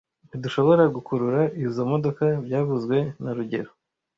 Ntidushobora gukurura izoi modoka byavuzwe na rugero